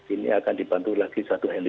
ini akan dibantu lagi satu heliko